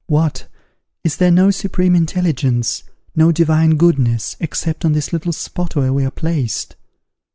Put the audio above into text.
What! is there no supreme intelligence, no divine goodness, except on this little spot where we are placed?